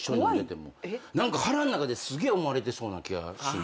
何か腹ん中ですげえ思われてそうな気がする。